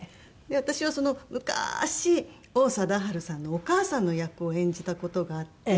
私はその昔王貞治さんのお母さんの役を演じた事があって。